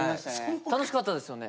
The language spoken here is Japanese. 楽しかったですよね？